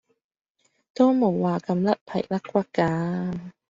都冇話咁甩皮甩骨㗎